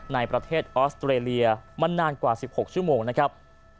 ในประเทศออสเตรเลียมานานกว่า๑๖ชั่วโมงนะครับ